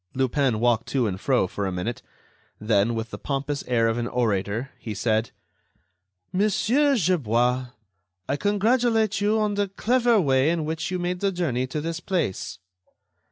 Lupin walked to and fro for a minute, then, with the pompous air of an orator, he said: "Monsieur Gerbois, I congratulate you on the clever way in which you made the journey to this place."